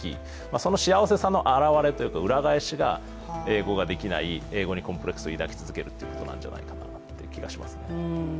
その幸せさの表れが英語ができない、英語にコンプレックスを抱き続けるということなんじゃないかという気がしますね。